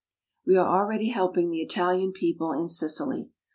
We are already helping the Italian people in Sicily.